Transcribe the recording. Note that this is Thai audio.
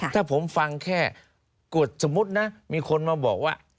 ถ้าผมฟังแค่กฎสมมุตินะมีคนมาบอกว่า